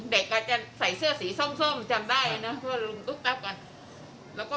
เด็กอะจะใส่เสื้อสีส้มจำได้นะ